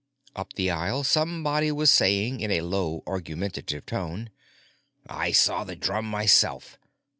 Up the aisle somebody was saying in a low, argumentative tone, "I saw the drum myself.